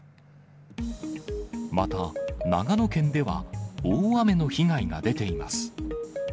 また、長野県では、大雨の被害が出ています。